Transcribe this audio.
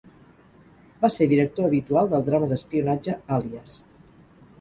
Va ser director habitual del drama d'espionatge "Alias".